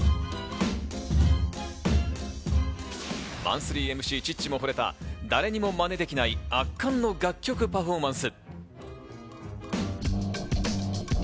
マンスリーＭＣ・チッチも惚れた、誰にもマネできない圧巻の楽曲パフォーマンス。